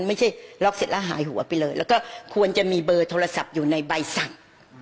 ไม่ใช่ล็อกเสร็จแล้วหายหัวไปเลยแล้วก็ควรจะมีเบอร์โทรศัพท์อยู่ในใบสั่ง